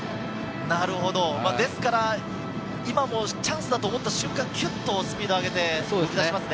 ですから、今もチャンスだと思った瞬間、キュっとスピードを上げていますね。